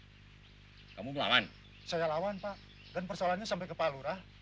terus saya melawan saya melawan pak dan persoalannya sampai kepalurah